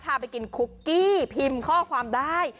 พาไปกินคุกกี้พิมพ์ข้อความได้